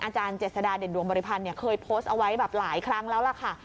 อาจารย์เจษฎาเด่นดวงบริพันธ์เคยโพสต์เอาไว้แบบหลายครั้งแล้วล่ะค่ะ